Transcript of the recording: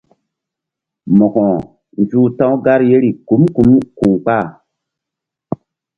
Mo̧ko nzuh ta̧w gar yeri kum kum ku̧ kpah.